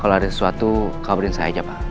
kalau ada sesuatu kabarin saya aja pak